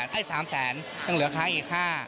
ให้๓แสนยังเหลือคะอีก๕